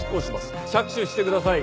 着手してください。